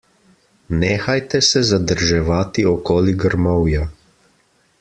Nehajte se zadrževati okoli grmovja.